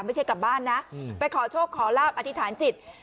ไม่ใช่กลับบ้านนะไปขอโชคขอลาบอธิษฐานจิต